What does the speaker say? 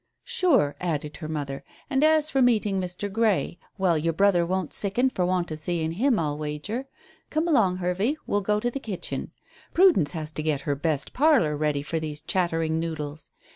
"Sure," added her mother, "and as for meeting Mr. Grey well, your brother won't sicken for want of seeing him, I'll wager. Come along, Hervey, we'll go to the kitchen; Prudence has to get her best parlour ready for these chattering noodles.